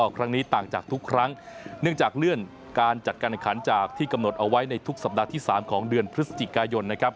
ครั้งนี้ต่างจากทุกครั้งเนื่องจากเลื่อนการจัดการแข่งขันจากที่กำหนดเอาไว้ในทุกสัปดาห์ที่๓ของเดือนพฤศจิกายนนะครับ